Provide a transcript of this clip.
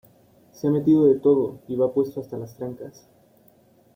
Se ha metido de todo y va puesto hasta las trancas